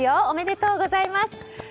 おめでとうございます！